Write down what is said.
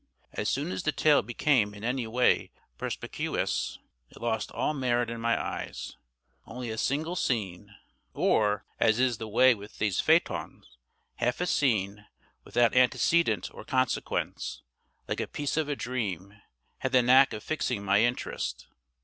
As soon as the tale became in any way perspicuous, it lost all merit in my eyes; only a single scene, or, as is the way with these feuilletons, half a scene, without antecedent or consequence, like a piece of a dream, had the knack of fixing my interest.